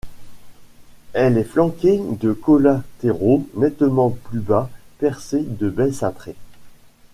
Elle est flanquée de collatéraux nettement plus bas, percés de baies cintrées.